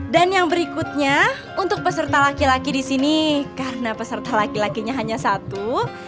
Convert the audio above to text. dan yang berikutnya untuk peserta laki laki di sini karena peserta laki lakinya hanya satu